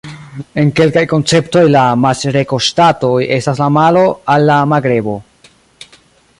En kelkaj konceptoj la maŝreko-ŝtatoj estas la malo al la magrebo.